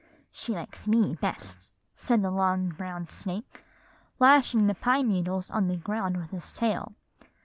"'She likes me best,' said the long brown snake, lashing the pine needles on the ground with his tail.